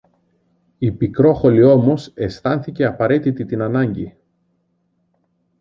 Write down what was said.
Η Πικρόχολη όμως αισθάνθηκε απαραίτητη την ανάγκη